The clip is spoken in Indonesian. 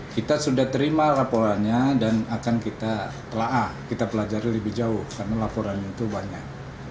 kita sudah terima laporannya dan akan kita telah kita pelajari lebih jauh karena laporannya itu banyak